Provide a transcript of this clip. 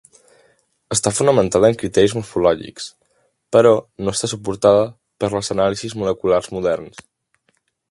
Està fonamentada en criteris morfològics, però no està suportada per les anàlisis moleculars moderns.